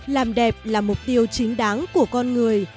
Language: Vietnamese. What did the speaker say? làm đẹp là mục tiêu chính đáng của con người